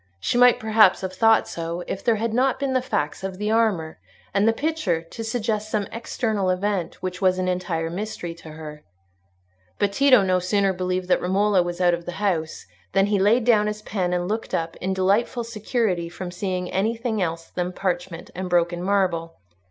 She might perhaps have thought so, if there had not been the facts of the armour and the picture to suggest some external event which was an entire mystery to her. But Tito no sooner believed that Romola was out of the house than he laid down his pen and looked up, in delightful security from seeing anything else than parchment and broken marble.